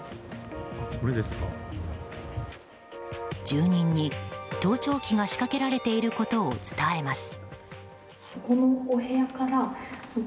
住人に盗聴器が仕掛けられていることを伝えます。